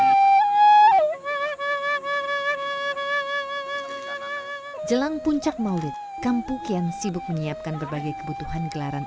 kita nikmati sekarang jelang puncak maulid kampuk yang sibuk menyiapkan berbagai kebutuhan gelaran